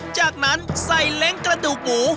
จากนั้นใส่เล้งกระดูกหมู